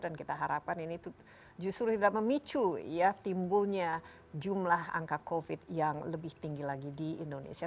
dan kita harapkan ini justru tidak memicu ya timbulnya jumlah angka covid yang lebih tinggi lagi di indonesia